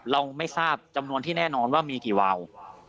เราไม่ทราบจำนวนที่แน่นอนว่ามีกี่วาว